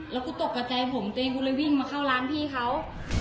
แล้วกูตกกับใจผมตัวเองกูเลยวิ่งมาเข้าร้านพี่เขา